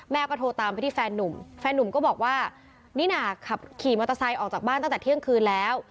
ก็โทรตามไปที่แฟนนุ่มแฟนนุ่มก็บอกว่านี่น่ะขับขี่มอเตอร์ไซค์ออกจากบ้านตั้งแต่เที่ยงคืนแล้ว